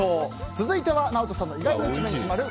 続いてはＮＡＯＴＯさんの意外な一面に迫る